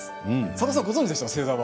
さださん、ご存じでしたか？